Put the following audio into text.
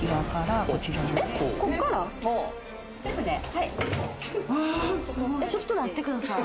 はいちょっと待ってください